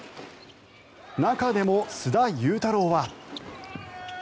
中でも須田侑太郎は。